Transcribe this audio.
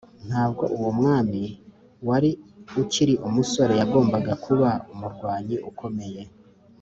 ntabwo uwo mwami wari ukiri umusore yagombaga kuba umurwanyi ukomeye ,